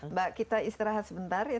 mbak kita istirahat sebentar ya